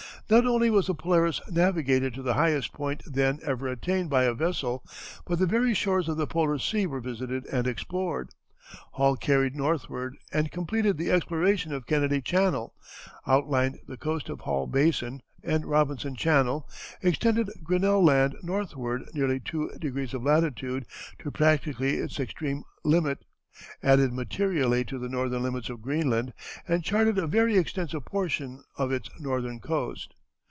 Not only was the Polaris navigated to the highest point then ever attained by a vessel, but the very shores of the Polar Sea were visited and explored. Hall carried northward and completed the exploration of Kennedy Channel; outlined the coast of Hall Basin and Robinson Channel; extended Grinnell Land northward nearly two degrees of latitude to practically its extreme limit; added materially to the northern limits of Greenland, and charted a very extensive portion of its northern coast.